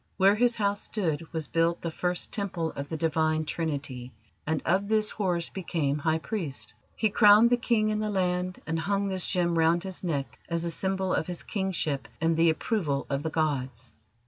Where his house stood was built the first Temple of the Divine Trinity, and of this Horus became High Priest. He crowned the King in the land, and hung this gem round his neck as the symbol of his kingship and the approval of the gods.